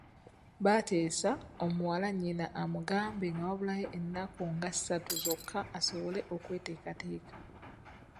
Baateesa omuwala nnyina amugambe nga wabulayo ennaku nga ssatu zokka asobole okweteekateeka.